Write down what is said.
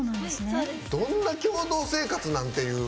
どんな共同生活なんていう。